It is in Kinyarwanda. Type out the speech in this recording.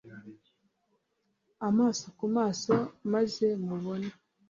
amaso ku maso maze mubone